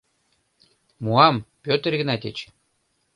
— Муам, Пётр Игнатич!